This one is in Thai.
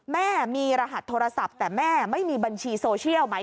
แม่มีรหัสโทรศัพท์แต่แม่ไม่มีบัญชีโซเชียลไหม